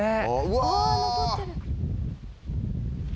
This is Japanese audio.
「わあ残ってる」